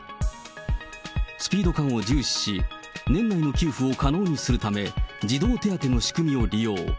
スピード感を重視し、年内の給付を可能にするため、児童手当の仕組みを利用。